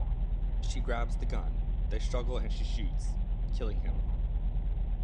She grabs the gun, they struggle and she shoots, killing him.